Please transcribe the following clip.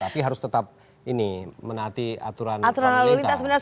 tapi harus tetap ini menaati aturan lalu lintas